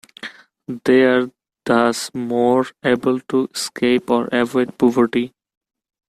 They are thus more able to escape or avoid poverty.